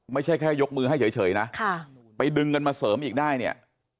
ไม่ใช่แค่ยกมือให้เฉยนะไปดึงเงินมาเสริมอีกได้เนี่ย